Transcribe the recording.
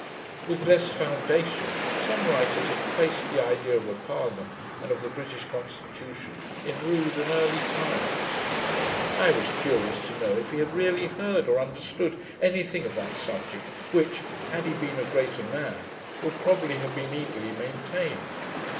With less foundation, some writers have traced the idea of a parliament, and of the British constitution, in rude and early times. I was curious to know if he had really heard, or understood, any thing of that subject, which, had he been a greater man, would probably have been eagerly maintained.